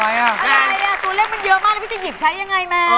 อะไรอ่ะตัวเลขมันเยอะมากแล้วพี่จะหยิบใช้ยังไงแม่